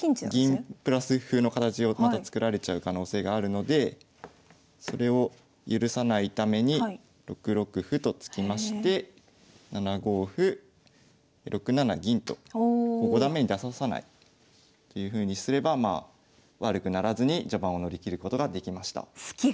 銀プラス歩の形をまた作られちゃう可能性があるのでそれを許さないために６六歩と突きまして７五歩６七銀ともう五段目に出させないというふうにすれば悪くならずに序盤を乗り切ることができました。